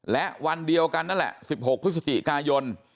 และวันเดียวกันนั่นแหละ๑๖พฤศจิกายน